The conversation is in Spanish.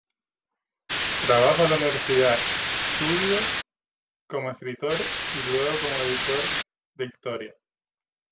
Trabajó en la Universal Studios, como escritor y luego como editor de historia.